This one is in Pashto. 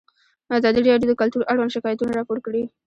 ازادي راډیو د کلتور اړوند شکایتونه راپور کړي.